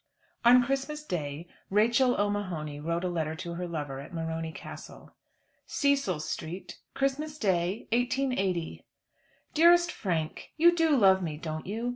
On Christmas day Rachel O'Mahony wrote a letter to her lover at Morony Castle: Cecil Street, Christmas day, 1880. DEAREST FRANK, You do love me, don't you?